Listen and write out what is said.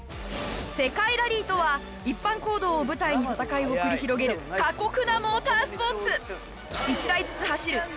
世界ラリーとは一般公道を舞台に戦いを繰り広げる過酷なモータースポーツ。